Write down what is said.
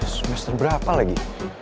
semester berapa lagi